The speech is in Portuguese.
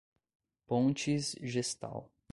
Pontes Gestal